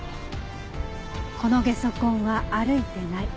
このゲソ痕は歩いてない。